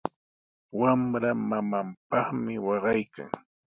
Wamra mamanpaqmi waqaykan.